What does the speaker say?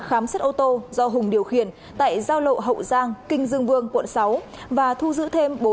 khám xét ô tô do hùng điều khiển tại giao lộ hậu giang kinh dương vương quận sáu và thu giữ thêm